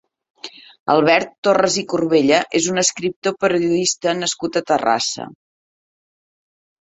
Albert Torras i Corbella és un escriptor i periodista nascut a Terrassa.